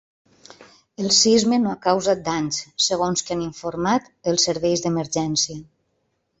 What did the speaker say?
El sisme no ha causat danys, segons que han informat els serveis d’emergència.